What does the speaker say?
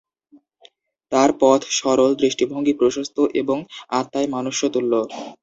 তাঁর পথ সরল, দৃষ্টিভঙ্গি প্রশস্ত এবং আত্মায় মনুষ্যতুল্য।